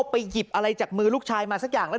ไปหยิบอะไรจากมือลูกชายมาสักอย่างแล้ว